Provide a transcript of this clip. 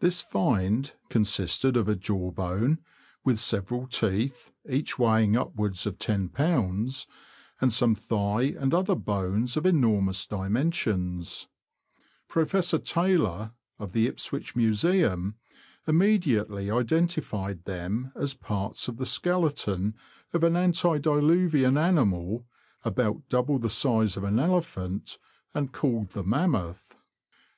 This find consisted UP THE ANT, TO BARTON AND STALHAM. 171 of a jawbone, with several teeth (each weighing upwards of lolb.), and some thigh and other bones of enormous dimensions. Professor Taylor, of the Ipswich Museum, immediately identified them as parts of the skeleton of an antediluvian animal about double the size of an elephant, and called the mammoth.